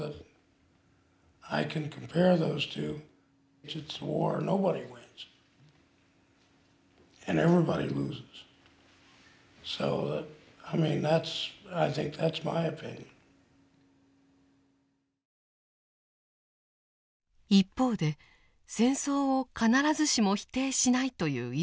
一方で戦争を必ずしも否定しないという遺族もいました。